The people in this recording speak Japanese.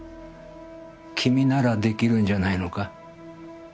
君ならできるんじゃないのか？